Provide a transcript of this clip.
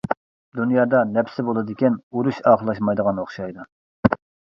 دۇنيادا نەپسى بولىدىكەن ئۇرۇش ئاخىرلاشمايدىغان ئوخشايدۇ.